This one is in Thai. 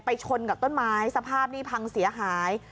ชนกับต้นไม้สภาพนี่พังเสียหาย